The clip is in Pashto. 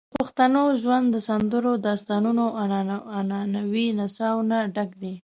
د پښتنو ژوند د سندرو، داستانونو، او عنعنوي نڅاوو نه ډک دی.